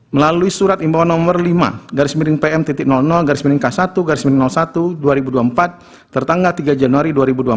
melalui surat imbauan nomor lima garis miring pm garis miring k satu garis miring satu dua ribu dua puluh empat tertanggal tiga januari dua ribu dua puluh